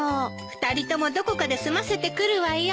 ２人ともどこかで済ませてくるわよ。